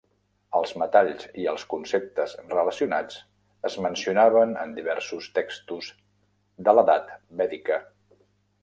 Els metalls i els conceptes relacionats es mencionaven en diversos textos de l'edat vèdica.